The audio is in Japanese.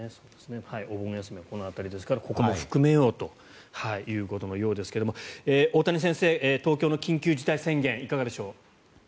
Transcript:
お盆休みはこの辺りですからここも含めようということのようですが大谷先生、東京の緊急事態宣言いかがでしょう。